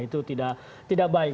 itu tidak baik